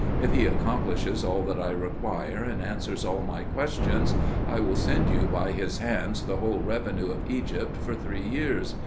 If he accomplishes all that I require and answers all my questions, I will send you by his hands the whole revenue of Egypt for three years.